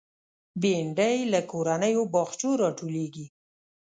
بېنډۍ له کورنیو باغچو راټولېږي